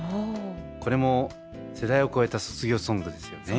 これも世代を超えた卒業ソングですよね。